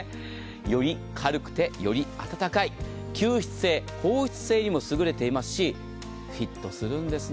より軽くて、より温かい、吸湿性、放湿性にも優れていますしフィットするんですね。